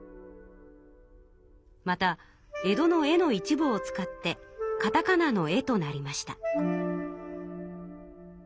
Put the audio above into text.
また江戸の「江」の一部を使ってかたかなの「エ」となりました。